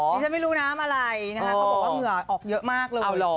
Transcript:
ฉันไม่รู้น้ำอะไรนะคะเขาบอกว่าเหงื่อออกเยอะมากเลย